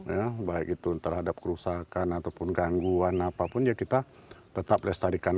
ya baik itu terhadap kerusakan ataupun gangguan apapun ya kita tetap lestarikan